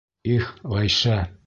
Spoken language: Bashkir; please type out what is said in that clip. Их, Ғәйшә!